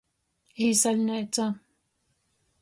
Īsaļneica.